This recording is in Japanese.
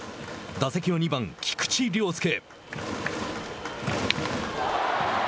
打席は２番、菊池涼介。